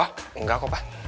oh enggak kok pa